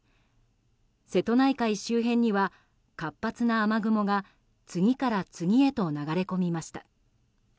瀬戸内海周辺には活発な雨雲が次から次へと流れ込みました。